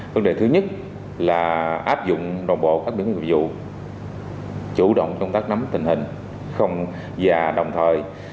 vấn đề thứ nhất là áp dụng đồng bộ các biện pháp nghiệp vụ chủ động công tác nắm tình hình không dà đồng thời